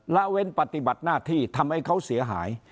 ละเว้นปฏิบัติหน้าที่ทำให้เขาเสียหาย